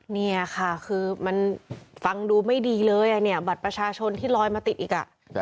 เนี่ยค่ะคือมันฟังดูไม่ดีเลยเนี่ยบัตรประชาชนที่ลอยมาติดอีก